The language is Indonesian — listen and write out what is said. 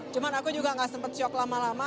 cuman aku juga gak sempat syok lama lama